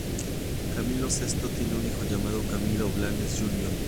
Camilo Sesto tiene un hijo llamado Camilo Blanes Jr.